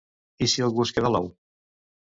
I si algú es queda l'ou?